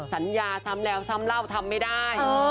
สัญญาซ้ำแล้วซ้ำเล่าทำไม่ได้